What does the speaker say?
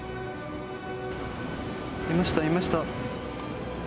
いました、いました。